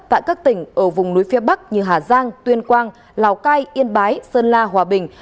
tại các tỉnh ở vùng núi phía bắc như hà giang tuyên quang lào cai yên bái sơn la hòa bình